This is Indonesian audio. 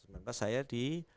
lalu saya di